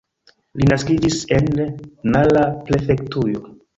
Li naskiĝis en Nara prefektujo.